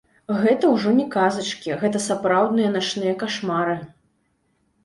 Гэта ўжо не казачкі, гэта сапраўдныя начныя кашмары!